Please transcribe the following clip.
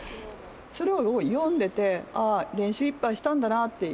それを読んでて、ああ、練習いっぱいしたんだなって。